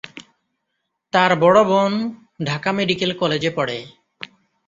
তার বড় বোন ঢাকা মেডিকেল কলেজে পড়ে।